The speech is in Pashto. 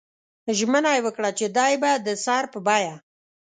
ژمنه یې وکړه چې دی به د سر په بیه.